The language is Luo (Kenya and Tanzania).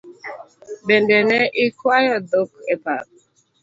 Bende ne ikwayo dhok e pap?